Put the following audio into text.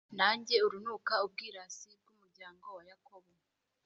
Nanga urunuka ubwirasi bw’umuryango wa Yakobo,